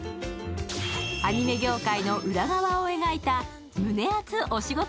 アニメ業界の裏側を描いた胸熱お仕事